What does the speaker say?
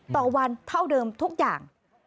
ต่อวันเท่าเดิมทุกอย่าง